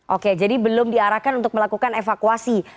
oke jadi belum diarahkan untuk melakukan evakuasi